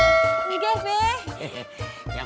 gak ada perbedaan